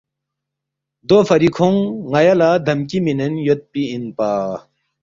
دوفری کھونگ ن٘یا لہ دھمکی مِنین یودپی اِنپا